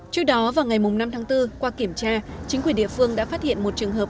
trước đó vào ngày năm tháng bốn qua kiểm tra chính quyền địa phương đã phát hiện một trường hợp